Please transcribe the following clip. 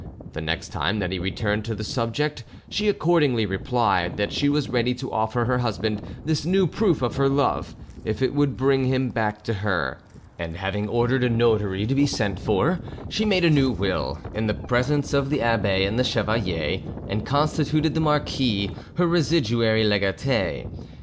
The next time that he returned to the subject she accordingly replied that she was ready to offer her husband this new proof of her love if it would bring him back to her, and having ordered a notary to be sent for, she made a new will, in the presence of the abbe and the chevalier, and constituted the marquis her residuary legatee.